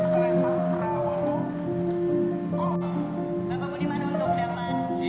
ini menunjukkan bahwa kamu perpecahan indosiasi